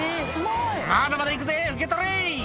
「まだまだ行くぜ受け取れ」